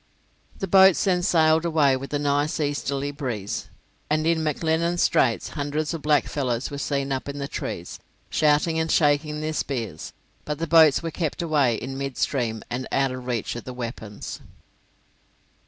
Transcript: The boats then sailed away with a nice easterly breeze, and in McLennan's Straits hundreds of blackfellows were seen up in the trees shouting and shaking their spears; but the boats were kept away in mid stream, out of reach of the weapons.